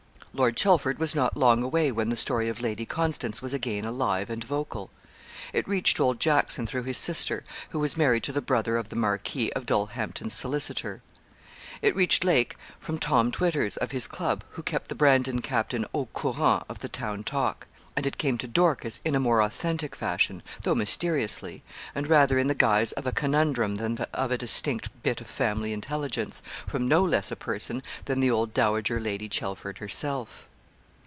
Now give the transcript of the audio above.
Lord Chelford was not long away when the story of Lady Constance was again alive and vocal. It reached old Jackson through his sister, who was married to the brother of the Marquis of Dulhampton's solicitor. It reached Lake from Tom Twitters, of his club, who kept the Brandon Captain au courant of the town talk; and it came to Dorcas in a more authentic fashion, though mysteriously, and rather in the guise of a conundrum than of a distinct bit of family intelligence, from no less a person than the old Dowager Lady Chelford herself.